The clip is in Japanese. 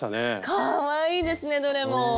かわいいですねどれも！